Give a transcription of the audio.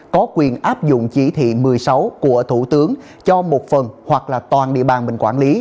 có quyền áp dụng chỉ thị một mươi sáu của thủ tướng cho một phần hoặc là toàn địa bàn mình quản lý